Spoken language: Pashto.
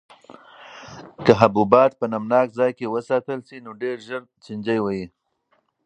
که حبوبات په نمناک ځای کې وساتل شي نو ډېر ژر چینجي وهي.